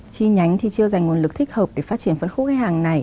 chi nhánh thì chưa dành nguồn lực thích hợp để phát triển phân khúc khách hàng này